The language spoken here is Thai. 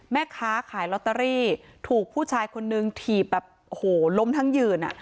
แม่ค้าขายลอตเตอรี่ถูกผู้ชายคนนึงถีบแบบโอ้โหล้มทั้งยืนอ่ะ